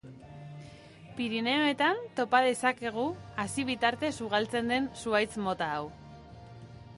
Pirinioetan topa dezakegu hazi bitartez ugaltzen den zuhaitz mota hau.